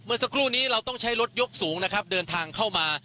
สักครู่นี้เราต้องใช้รถยกสูงนะครับเดินทางเข้ามา